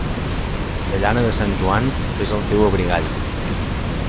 De llana de Sant Joan, fes el teu abrigall.